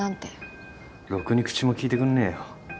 ろくに口も利いてくんねえよ。